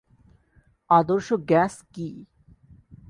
আদর্শ গ্যাস কী?